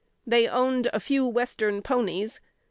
They owned a few Western ponies.